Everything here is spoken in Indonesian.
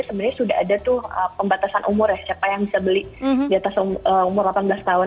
sebenarnya sudah ada tuh pembatasan umur ya siapa yang bisa beli di atas umur delapan belas tahun